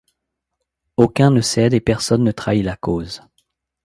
Aucun ne cède et personne ne trahit la cause.